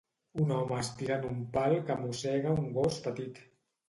un home estirant un pal que mossega un gos petit